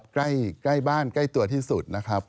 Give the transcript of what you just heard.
ใกล้บ้านใกล้ตัวที่สุด